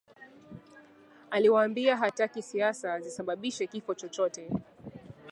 Aliwaambia hataki siasa zisababishe kifo chochote